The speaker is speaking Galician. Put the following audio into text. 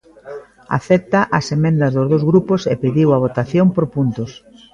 Acepta as emendas dos dous grupos e pediu a votación por puntos.